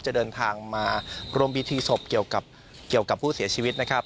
จะเดินทางมารวมพิธีศพเกี่ยวกับผู้เสียชีวิตนะครับ